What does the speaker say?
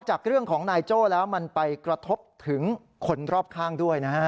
จากเรื่องของนายโจ้แล้วมันไปกระทบถึงคนรอบข้างด้วยนะฮะ